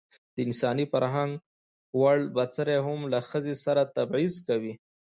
د انساني فرهنګ ووړ بڅرى هم له ښځې سره تبعيض کوي.